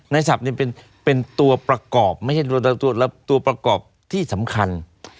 นายทรัพย์เป็นตัวประกอบที่สำคัญ